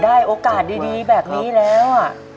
ได้โอกาสดีแบบนี้แล้ว